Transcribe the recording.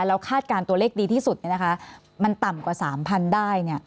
แล้วคาดการณ์ตัวเลขดีที่สุดมันต่ำกว่า๓๐๐๐ได้